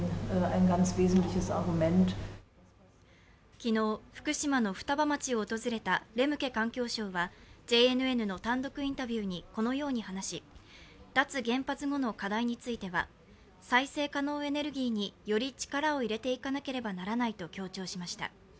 昨日、福島の双葉町を訪れたレムケ環境相はＪＮＮの単独インタビューにこのように話し、脱原発後の課題については再生可能エネルギーにより力を入れていかなければならないと強調しました。